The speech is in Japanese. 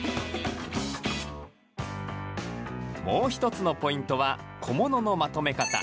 もう１つのポイントは小物のまとめ方。